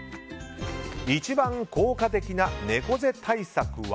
一番効果的な猫背対策は。